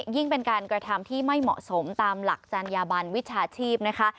ยิ่งเป็นการกระทำที่ไม่เหมาะสมตามหลักจัญญาบันวิชาชีพนะคะ